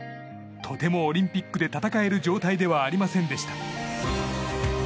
とてもオリンピックで戦える状態ではありませんでした。